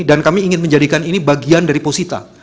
dan kami ingin menjadikan ini bagian dari posita